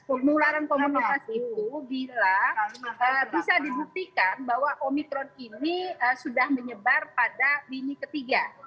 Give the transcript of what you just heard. penularan komunitas itu bila bisa dibuktikan bahwa omikron ini sudah menyebar pada lini ketiga